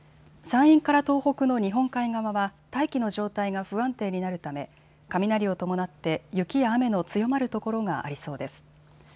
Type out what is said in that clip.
山陰から東北の日本海側は大気の状態が不安定になるため雷を伴って雪や雨の強まる所がありそうです。